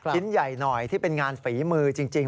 ชิ้นใหญ่หน่อยที่เป็นงานฝีมือจริง